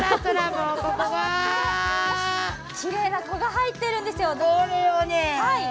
きれいな子がはいっているんですよ。